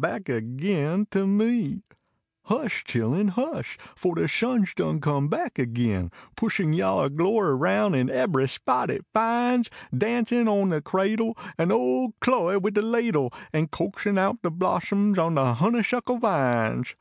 Back agin to me. Hush ! chilluu, hush ! Foil de sun s done come back agin, Pushin yaller glory rouu in ebberv spot it finds, Danciu on de cradle An ole Chloe \vid de ladle. An coaxin out de blossoms on ])e honeysuckle vines.